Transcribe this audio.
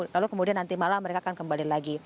lalu kemudian nanti malam mereka akan kembali lagi